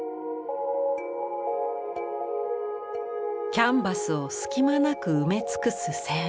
キャンバスを隙間なく埋め尽くす線。